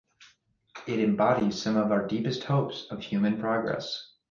It embodies some of our deepest hopes for human progress.